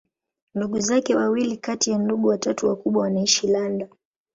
Ndugu zake wawili kati ya ndugu watatu wakubwa wanaishi London.